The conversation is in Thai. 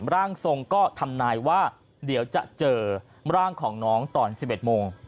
ร่างทรงก็ทำนายว่าเดี๋ยวจะเจอร่างของน้องตอน๑๑โมง